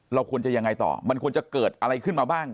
เราควรจะยังไงต่อมันควรจะเกิดอะไรขึ้นมาบ้าง